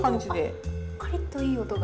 カリッといい音が。